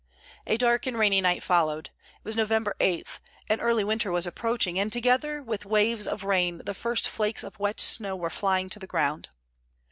A dark and rainy night followed. It was November 8; an early winter was approaching, and together with waves of rain the first flakes of wet snow were flying to the ground.